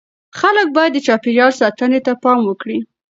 خلک باید د چاپیریال ساتنې ته پام وکړي.